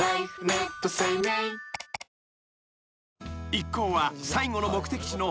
［一行は最後の目的地の］